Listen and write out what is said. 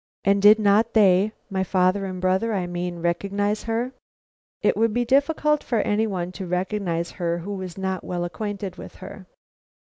"And did not they my father and brother, I mean recognize her?" "It would be difficult for any one to recognize her who was not well acquainted with her."